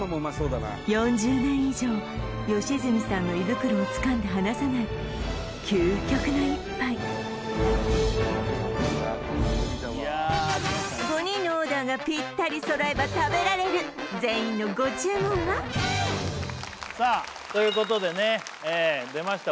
４０年以上良純さんの胃袋をつかんで離さない究極の１杯５人のオーダーがぴったり揃えば食べられる全員のご注文は？ということでね出ました